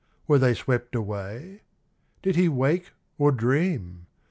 Were they swept away ? Did he wake or dream